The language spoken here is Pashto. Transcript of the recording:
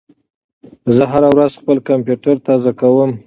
زه هره ورځ خپل کمپیوټر تازه کوم.